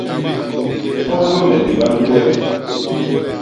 Homb me bibam gwem.